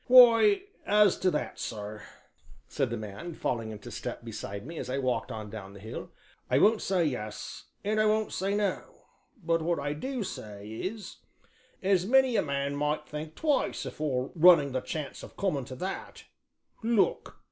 "Why, as to that, sir," said the man, falling into step beside me as I walked on down the hill, "I won't say yes and I won't say no, but what I do say is as many a man might think twice afore running the chance of coming to that look!"